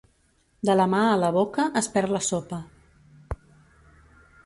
De la mà a la boca es perd la sopa.